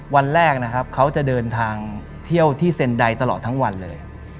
วันแรกนะครับเขาจะเดินทางเที่ยวที่เซ็นไดตลอดทั้งวันเลย